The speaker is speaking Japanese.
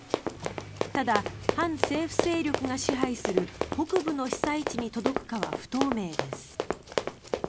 ただ、反政府勢力が支配する北部の被災地に届くかは不透明です。